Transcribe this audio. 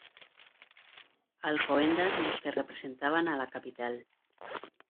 Alcobendas los que representaban a la capital.